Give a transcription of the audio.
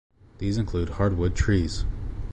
These include hard-wood trees.